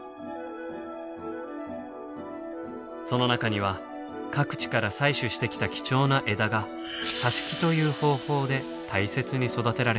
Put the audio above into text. その中には各地から採取してきた貴重な枝が挿し木という方法で大切に育てられているのです。